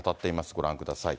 ご覧ください。